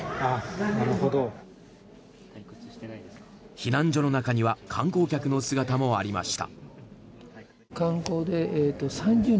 避難所の中には観光客の姿もありました。